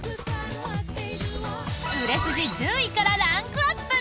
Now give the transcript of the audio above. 売れ筋１０位からランクアップ！